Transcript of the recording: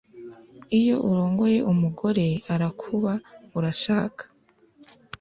Iyo urongoye umugore arakuba urashaka